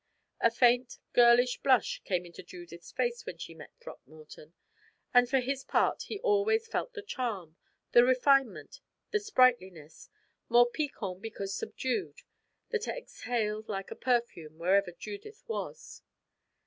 A faint, girlish blush came into Judith's face when she met Throckmorton; and for his part he felt always the charm, the refinement, the sprightliness, more piquant because subdued, that exhaled like a perfume wherever Judith was.